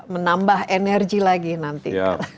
menambah energi lagi nanti